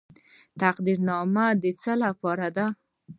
تقدیرنامه د څه لپاره ده؟